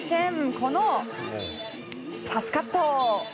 このパスカット！